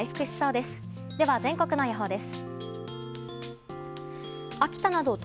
では、全国の予報です。